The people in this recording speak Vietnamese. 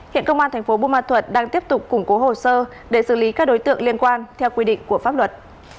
hiện công an tp bumatut đang tiếp tục củng cố hồ sơ để xử lý các đối tượng liên quan theo quy định của pháp luật